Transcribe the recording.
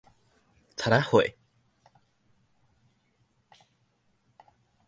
賊仔貨